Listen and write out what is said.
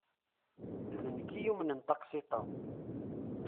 D anekk i yumnen taqsiḍt-a.